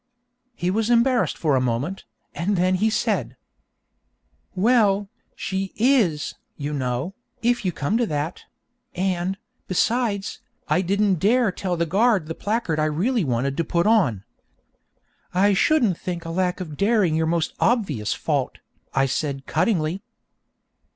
He was embarrassed for a moment, and then he said: 'Well, she is, you know, if you come to that; and, besides, I didn't dare tell the guard the placard I really wanted to put on.' 'I shouldn't think a lack of daring your most obvious fault,' I said cuttingly.